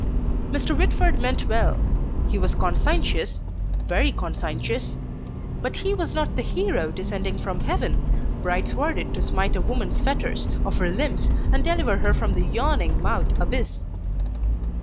Mr. Whitford meant well; he was conscientious, very conscientious. But he was not the hero descending from heaven bright sworded to smite a woman's fetters of her limbs and deliver her from the yawning mouth abyss.